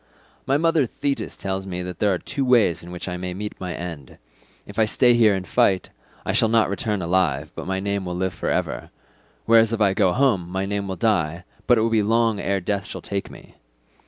"My mother Thetis tells me that there are two ways in which I may meet my end. If I stay here and fight, I shall not return alive but my name will live for ever: whereas if I go home my name will die, but it will be long ere death shall take me.